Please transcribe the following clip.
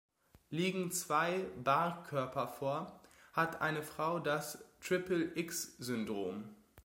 Liegen zwei Barr-Körper vor, hat eine Frau das Triple-X-Syndrom.